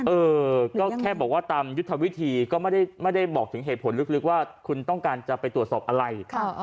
เออก็แค่บอกว่าตามยุทธวิธีก็ไม่ได้บอกถึงเหตุผลลึกว่าคุณต้องการจะไปตรวจสอบอะไร